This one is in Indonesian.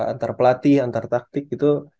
antara pelatih antara taktik gitu